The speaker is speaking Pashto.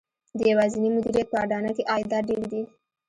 د یوازېني مدیریت په اډانه کې عایدات ډېر دي